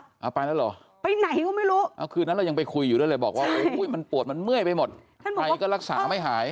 เอาไปแล้วเหรอไปไหนก็ไม่รู้เอาคืนนั้นเรายังไปคุยอยู่ด้วยเลยบอกว่ามันปวดมันเมื่อยไปหมดไปก็รักษาไม่หาย